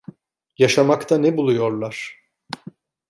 Yaşamakta ne buluyorlar?